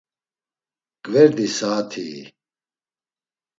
Gverdi saatii?